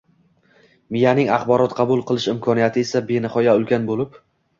Miyaning axborot qabul qilish imkoniyati esa benihoya ulkan bo‘lib